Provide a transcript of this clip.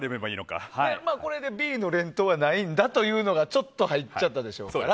これでＢの連投がないんだというのが入っちゃったでしょうから。